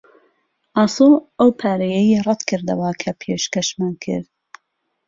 ئاسۆ ئەو پارەیەی ڕەت کردەوە کە پێشکەشمان کرد.